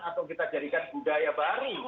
atau kita jadikan budaya baru